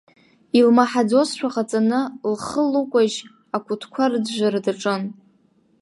Илмаҳаӡозшәа ҟаҵаны, лхы лыкәажь, акәытқәа рыӡәӡәара даҿын.